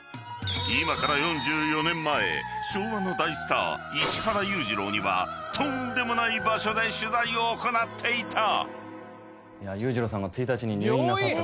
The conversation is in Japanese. ［今から４４年前昭和の大スター石原裕次郎にはとんでもない場所で取材を行っていた］